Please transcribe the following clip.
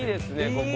ここ。